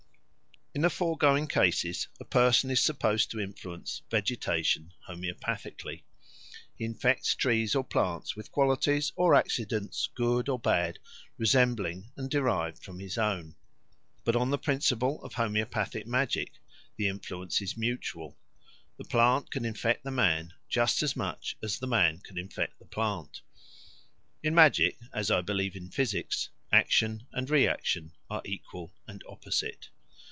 In the foregoing cases a person is supposed to influence vegetation homoeopathically. He infects trees or plants with qualities or accidents, good or bad, resembling and derived from his own. But on the principle of homoeopathic magic the influence is mutual: the plant can infect the man just as much as the man can infect the plant. In magic, as I believe in physics, action and reaction are equal and opposite.